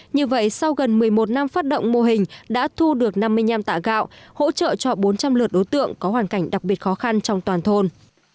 như vậy sau gần một mươi một năm phát động mô hình đã thu được năm mươi năm tạ gạo hỗ trợ cho bốn trăm linh lượt đối tượng có hoàn cảnh đặc biệt khó khăn trong toàn thôn